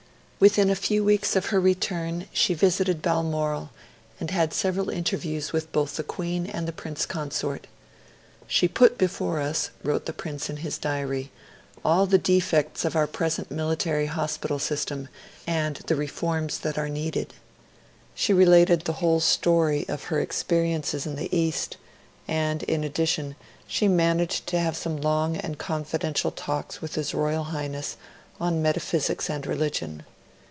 Within a few weeks of her return she visited Balmoral, and had several interviews with both the Queen and the Prince, Consort. 'She put before us,' wrote the Prince in his diary, 'all the defects of our present military hospital system, and the reforms that are needed.' She related 'the whole story' of her experiences in the East; and, in addition, she managed to have some long and confidential talks with His Royal Highness on metaphysics and religion.